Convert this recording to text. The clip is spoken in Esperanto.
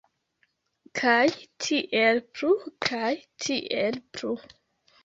Kaj tiel plu, kaj tiel plu.